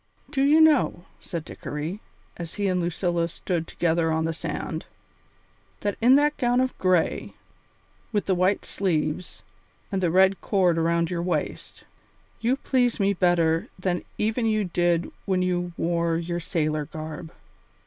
"Do you know," said Dickory, as he and Lucilla stood together on the sand, "that in that gown of gray, with the white sleeves, and the red cord around your waist, you please me better than even you did when you wore your sailor garb?"